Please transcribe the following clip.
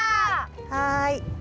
はい。